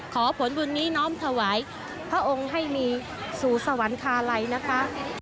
ขอผลบุญนี้น้อมถวายพระองค์ให้มีสู่สวรรคาลัยนะคะ